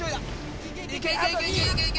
いけいけいけいけ！